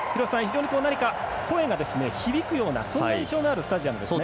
何か声が響くような印象のあるスタジアムですね。